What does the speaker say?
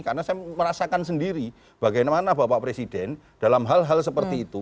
karena saya merasakan sendiri bagaimana bapak presiden dalam hal hal seperti itu